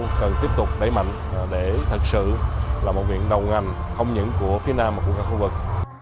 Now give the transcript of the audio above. từ dũ cần tiếp tục đẩy mạnh để thật sự là một viện đầu ngành không những của phía nam mà của các khu vực